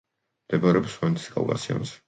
მდებარეობს სვანეთის კავკასიონზე.